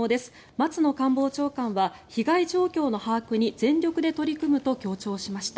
松野官房長官は被害状況の把握に全力で取り組むと強調しました。